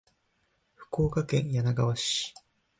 福岡県柳川市